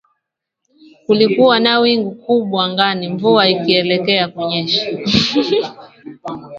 Kulikuwa na wingu kubwa angani mvua ikielekea kunyesha